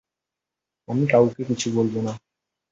আমি কাউকে কিছু বলব না।